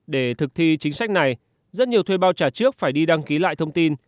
để thực thi chính sách này rất nhiều thuê bao trả trước phải đi đăng ký lại thông tin